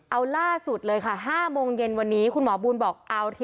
เอาล่าสุดเลยค่ะ๕โมงเย็นวันนี้คุณหมอบูลบอกเอาที